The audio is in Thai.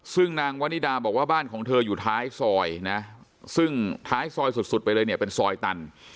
ซึ่งนางวันนิดาบอกว่าบ้านของเธออยู่ท้ายซอยนะซึ่งท้ายซอยสุดไปเลยเนี่ยเป็นซอยตัน